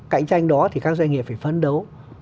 cạnh tranh đó thì các doanh nghiệp phải phấn đấu